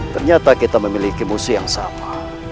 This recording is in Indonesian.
ternyata kita memiliki musi yang sama